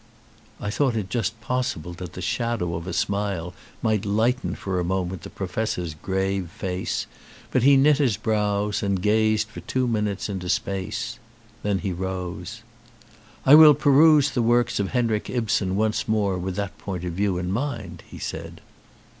I thought it just possible that the shadow of a smile might lighten for a moment the professor's grave face, but he knit his brows and gazed for two minutes into space. Then he rose. "I will peruse the works of Henrik Ibsen once more with that point of view in mind," he said.